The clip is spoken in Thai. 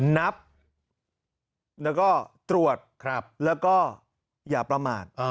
นับแล้วก็ตรวจแล้วก็อย่าประมาท